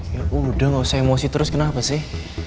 yaudah gak usah emosi terus kenapa sih